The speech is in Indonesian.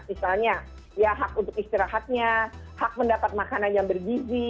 misalnya ya hak untuk istirahatnya hak mendapat makanan yang bergizi